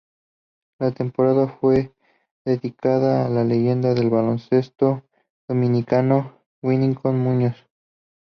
La temporada fue dedicada a la leyenda del baloncesto dominicano Vinicio Muñoz.